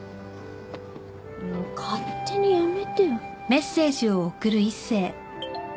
もう勝手にやめてよ。